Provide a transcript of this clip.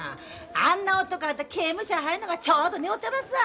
あんな男刑務所へ入んのがちょうど似合うてますわ！